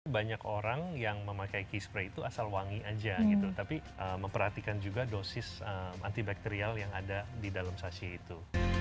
banyak orang yang memakai key spray itu asal wangi aja gitu tapi memperhatikan juga dosis antibakterial yang ada di dalam sashi itu